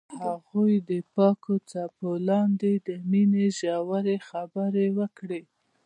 هغوی د پاک څپو لاندې د مینې ژورې خبرې وکړې.